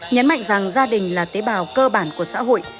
nhấn mạnh rằng gia đình là tế bào cơ bản của xã hội